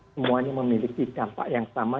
semuanya memiliki dampak yang sama